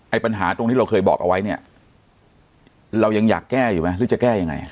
ปัญหาตรงที่เราเคยบอกเอาไว้เนี่ยเรายังอยากแก้อยู่ไหมหรือจะแก้ยังไง